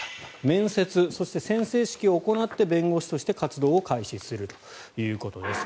面接、そして宣誓式を行って弁護士として活動を開始するということです。